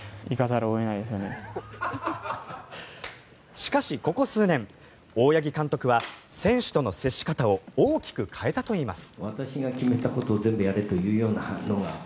しかし、ここ数年大八木監督は選手との接し方を大きく変えたといいます。